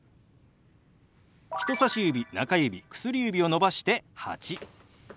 人さし指中指薬指を伸ばして「８」。